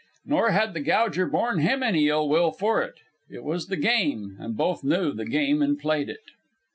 Nor had the Gouger borne him any ill will for it. It was the game, and both knew the game and played it.